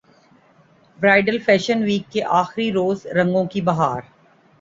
bridal fashion week کے اخری روز رنگوں کی بہار